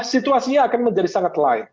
situasinya akan menjadi sangat line